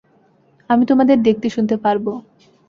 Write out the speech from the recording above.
আমি তোমাদের দেখতে শুনতে পারব।